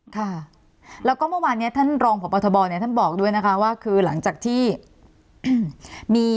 ค่ะแล้วก็เมื่อวานนี้ท่านรองพบทบเนี่ยท่านบอกด้วยนะคะว่าคือหลังจากที่มี